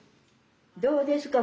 どうですか？